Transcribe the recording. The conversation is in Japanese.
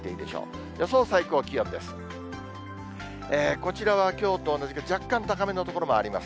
こちらはきょうと同じか、若干高めの所もあります。